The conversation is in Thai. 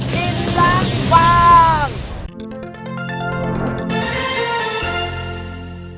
กินล้างบาง